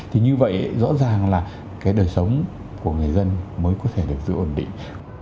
thì như vậy rõ ràng là cái đời sống của người dân mới có thể được giữ ổn định